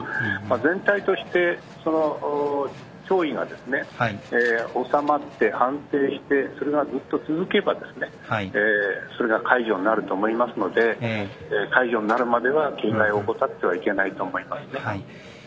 全体として潮位がおさまって安定してそれがずっと続けば解除になると思いますので解除になるまでは警戒を怠ってはいけないと思います。